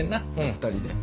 ２人で。